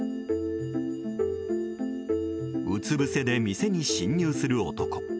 うつぶせで店に侵入する男。